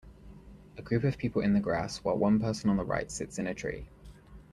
A group of people in the grass while one person on the right sits in a tree.